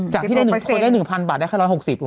จากที่คนได้๑๐๐๐บาทได้แค่๑๖๐บาท